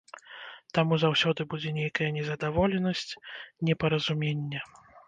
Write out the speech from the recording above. Таму заўсёды будзе нейкая незадаволенасць, непаразуменне.